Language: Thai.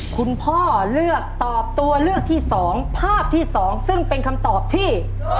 คุณพ่อเลือกตอบตัวเลือกที่๒ภาพที่๒ซึ่งเป็นคำตอบที่